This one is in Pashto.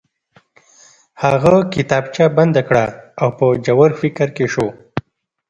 هغه کتابچه بنده کړه او په ژور فکر کې شو